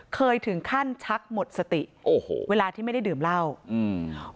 เคยถึงขั้นชักหมดสติโอ้โหเวลาที่ไม่ได้ดื่มเหล้าอืม